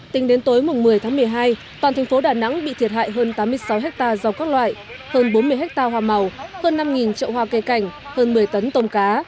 tính đến tối mùng một mươi tháng một mươi hai toàn thành phố đà nẵng bị thiệt hại hơn tám mươi sáu hectare rau các loại hơn bốn mươi ha hoa màu hơn năm trậu hoa cây cảnh hơn một mươi tấn tôm cá